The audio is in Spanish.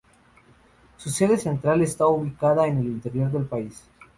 Su sede central estará ubicada en el interior del país.